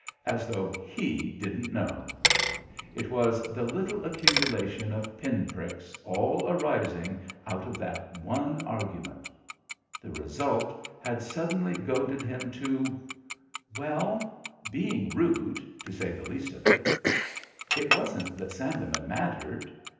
As though he didn't know! It was the little accumulation of pin pricks all arising out of that one argument. The result had suddenly goaded him to well, being rude, to say the least of it. It wasn't that Sandeman mattered.